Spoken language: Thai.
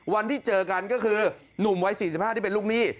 วันที่เจอกันก็คือหนุ่มวัยสี่สิบห้าที่เป็นลูกนี่